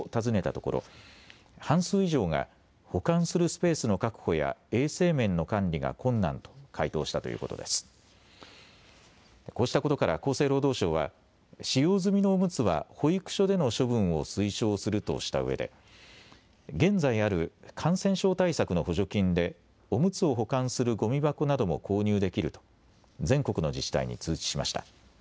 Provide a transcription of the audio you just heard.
こうしたことから厚生労働省は使用済みのおむつは保育所での処分を推奨するとしたうえで現在ある感染症対策の補助金でおむつを保管するごみ箱なども購入できると全国の自治体に通知しました。